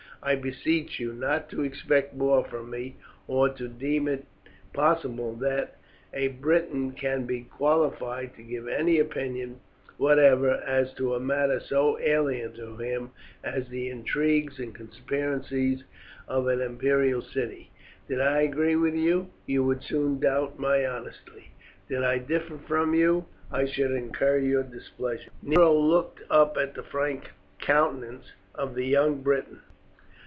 I beseech you not to expect more from me, or to deem it possible that a Briton can be qualified to give any opinion whatever as to a matter so alien to him as the intrigues and conspiracies of an imperial city. Did I agree with you, you would soon doubt my honesty; did I differ from you, I should incur your displeasure." Nero looked up at the frank countenance of the young Briton.